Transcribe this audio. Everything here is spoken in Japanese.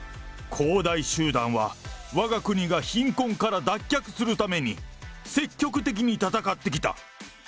恒大集団は、わが国が貧困から脱却するために積極的に戦ってきた。